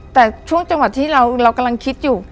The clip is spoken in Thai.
แต่ช่วงจังหวัดที่เรากำลังคิดอยู่